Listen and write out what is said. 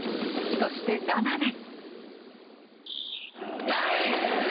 そして７年。